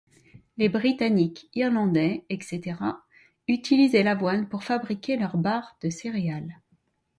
Les Britanniques, Irlandais, etc., utilisaient l'avoine pour fabriquer leur barre de céréale.